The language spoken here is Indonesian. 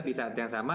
di saat yang sama